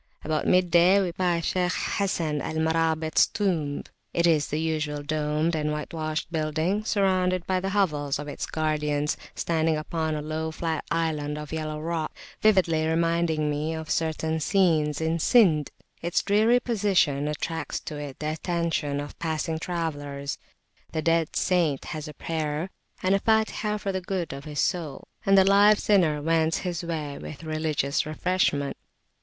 About midday we passed by Shaykh Hasan al Marabit's tomb. It is the usual domed and whitewashed building, surrounded by the hovels of its guardians, standing upon a low flat island of yellow rock, vividly reminding me of certain scenes in Sind. Its dreary position attracts to it the attention of passing travellers; the dead saint has a prayer and a Fatihah for the good of his soul, and the live sinner wends his way with religious refreshment.